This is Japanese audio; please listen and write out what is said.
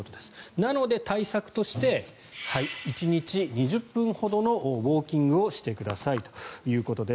なので対策として１日２０分ほどのウォーキングをしてくださいということです。